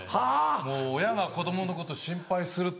もう親が子供のこと心配するっていうのは。